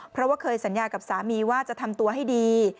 เพราะว่าเคยสัญญากับสามีว่าจะทำตัวให้ดี